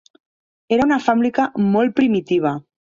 Era una fàbrica molt primitiva.